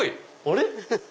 あれ⁉